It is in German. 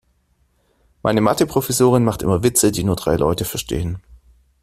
Meine Mathe-Professorin macht immer Witze, die nur drei Leute verstehen.